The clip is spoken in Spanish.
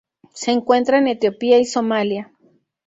Se encuentra en Etiopía y Somalia.